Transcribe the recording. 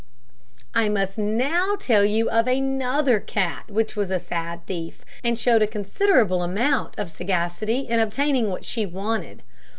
I must now tell you of another cat which was a sad thief, and showed a considerable amount of sagacity in obtaining what she wanted.